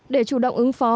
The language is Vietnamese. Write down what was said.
để chủ động ứng phóng